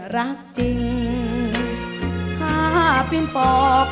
ร้องได้ให้ร้อง